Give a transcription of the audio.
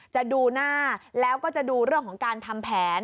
จะดูหน้าแล้วก็จะดูเรื่องของการทำแผน